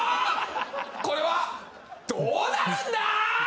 これはどうなるんだ！？